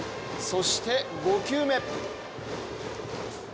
そして５球目。